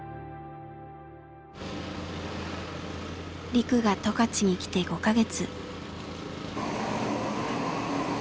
リクが十勝に来て５か月。